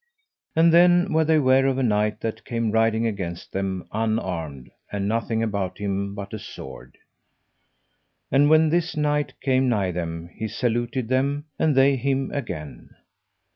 And then were they ware of a knight that came riding against them unarmed, and nothing about him but a sword. And when this knight came nigh them he saluted them, and they him again.